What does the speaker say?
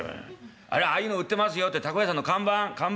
あれああいうの売ってますよって凧屋さんの看板看板。